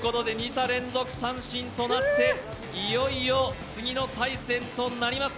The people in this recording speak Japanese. ２者連続三振となって、いよいよ次の対戦となります。